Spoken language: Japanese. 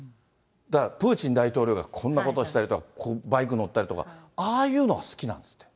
だからプーチン大統領がこんなことをしたりとか、バイクに乗ったりとか、ああいうのが好きなんですって。